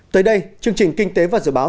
tới đây chương trình kinh tế và dự báo